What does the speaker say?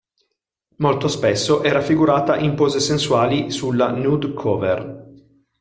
Molto spesso è raffigurata in pose sensuali sulla "nude cover".